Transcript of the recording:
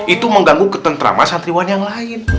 itu mengganggu ketentraman santriwan yang lain